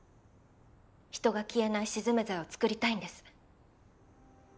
人が消えない鎮冥鞘を作りたいんです